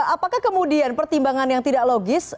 apakah kemudian pertimbangan yang tidak logis